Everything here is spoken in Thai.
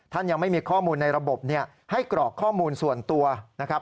ยังไม่มีข้อมูลในระบบให้กรอกข้อมูลส่วนตัวนะครับ